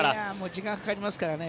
時間がかかりますからね。